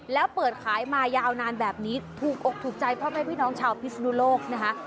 แล้วเปิดขายมายาวนานแบบนี้ถูกอกถูกใจพ่อแม่พี่น้องชาวพิศนุโลกนะคะ